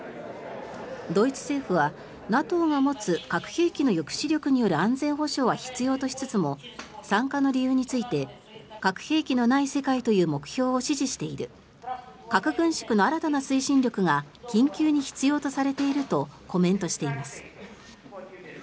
ドイツ政府はＮＡＴＯが持つ核兵器の抑止力による安全保障は必要としつつも参加の理由について核兵器のない世界という目標を支持している核軍縮の新たな推進力が緊急に必要とされているとコメントしています。